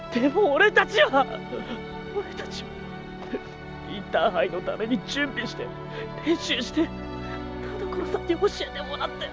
俺たちインターハイのために準備して練習して田所さんに教えてもらって。